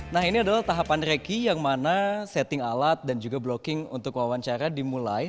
nah ini adalah tahapan reki yang mana setting alat dan juga blocking untuk wawancara dimulai